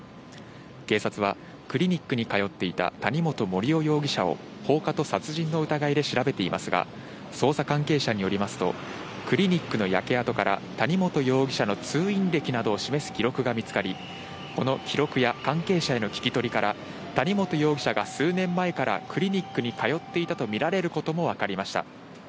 警察はクリニックに通っていた谷本盛雄容疑者を放火と殺人の疑いで調べていますが、捜査関係者によりますとクリニックの焼け跡から谷本容疑者の通院歴などを示す記録が見つかり、この記録や関係者への聞き取りから谷本容疑者が数年前からクリニックに通っていたとみられることもわかりました。